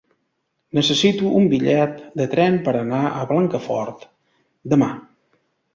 Necessito un bitllet de tren per anar a Blancafort demà.